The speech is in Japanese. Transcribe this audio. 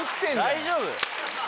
大丈夫？